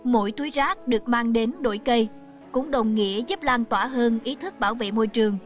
mỗi túi rác được mang đến đổi cây cũng đồng nghĩa giúp lan tỏa hơn ý thức bảo vệ môi trường